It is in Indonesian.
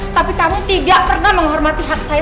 tapi kamu tidak pernah menghormati hak saya